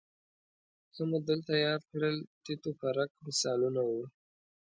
څه مو دلته یاد کړل تیت و پرک مثالونه وو